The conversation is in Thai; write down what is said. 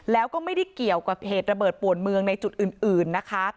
แล้วก็ไม่ได้เกี่ยวกับเหตุระเบิดปวดเมืองในจุดอื่นนะคะ